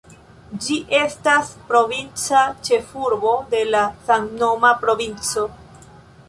Ĝi estas provinca ĉefurbo de la samnoma provinco.